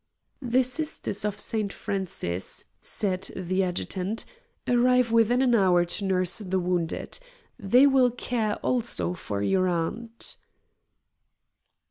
"The Sisters of St. Francis," said the adjutant, "arrive within an hour to nurse the wounded. They will care also for your aunt."